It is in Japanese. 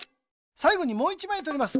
さいごにもう１まいとります。